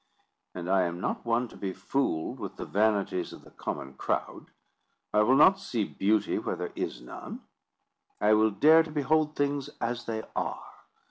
And I am not one to be fooled with the vanities of the common crowd. I will not see beauty where there is none. I will dare to behold things as they are.